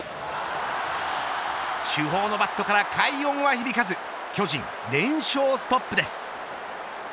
主砲のバットから快音は響かず巨人、連勝ストップです。